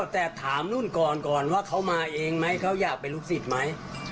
แต่ถามนู่นก่อนก่อนว่าเขามาเองไหมเขาอยากเป็นลูกศิษย์ไหม